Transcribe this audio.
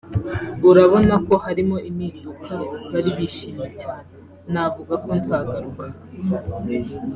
urabona ko harimo impinduka bari bishimye cyane […] Navuga ko nzagaruka